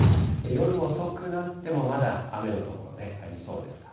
夜遅くなってもまだ雨の所ね、ありそうですから。